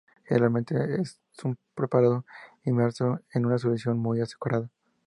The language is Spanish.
Generalmente es un preparado inmerso en una solución muy azucarada.